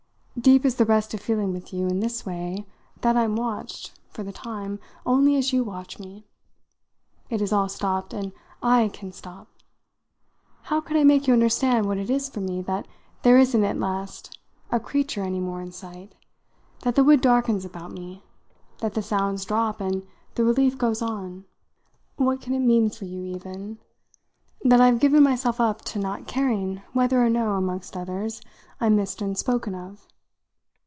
Deep is the rest of feeling with you, in this way, that I'm watched, for the time, only as you watch me. It has all stopped, and I can stop. How can I make you understand what it is for me that there isn't at last a creature any more in sight, that the wood darkens about me, that the sounds drop and the relief goes on; what can it mean for you even that I've given myself up to not caring whether or no, amongst others, I'm missed and spoken of?